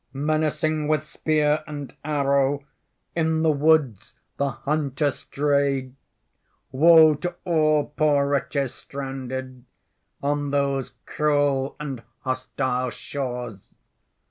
Menacing with spear and arrow In the woods the hunter strayed.... Woe to all poor wretches stranded On those cruel and hostile shores!